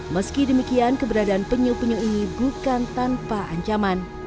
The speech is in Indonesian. meski demikian keberadaan penyu penyu ini bukan tanpa ancaman